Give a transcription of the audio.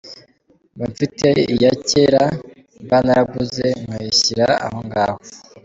Mba mfite iya cyera mba naraguze nkayishyira ahongaho.